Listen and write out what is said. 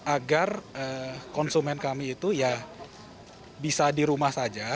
agar konsumen kami itu ya bisa dirumah saja